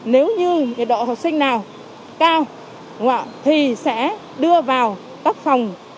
nếu như độ học sinh nào cao thì sẽ đưa vào các phòng